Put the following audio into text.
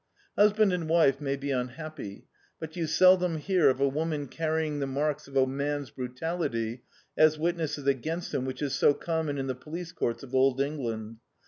Husband and wife may be unhappy, but you seldom hear of a woman carry ing the marks of a man's brutality as witnesses against him which is so common in the police courts of old England.